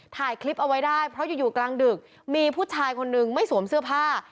ถ่ายคลิปเอาไว้ได้เพราะอยู่กลางดึกมีผู้ชายคนนึงไม่สวมเสื้อผ้า